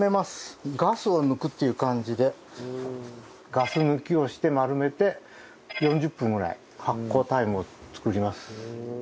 ガス抜きをして丸めて４０分ぐらい発酵タイムを作ります。